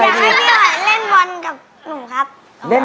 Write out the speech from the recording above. แม่ที่หอยเล่นบอลกับหนูครับ